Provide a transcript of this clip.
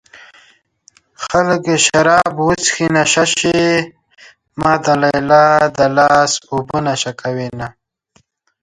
خلک شراب وڅښي نشه شي ما د ليلا د لاس اوبه نشه کوينه